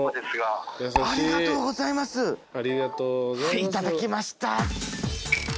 はいいただきました。